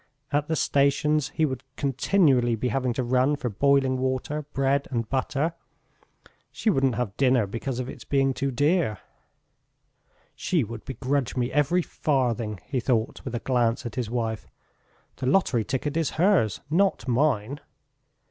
At the stations he would continually be having to run for boiling water, bread and butter.... She wouldn't have dinner because of its being too dear.... "She would begrudge me every farthing," he thought, with a glance at his wife. "The lottery ticket is hers, not mine!